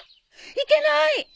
いけない！